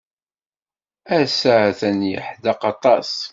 Ass-a atan yeḥdeq aṭas.